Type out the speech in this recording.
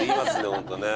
ホントね。